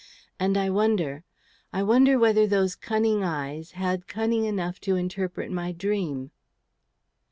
And I wonder, I wonder whether those cunning eyes had cunning enough to interpret my dream."